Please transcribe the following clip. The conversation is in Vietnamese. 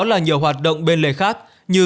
là nhiều hoạt động bên lề khác như